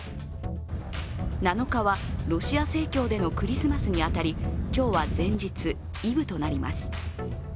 ７日は、ロシア正教でのクリスマスに当たり、今日は前日、イブとなります。